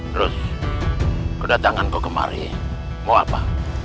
terus kedatangan kau kemari mau apa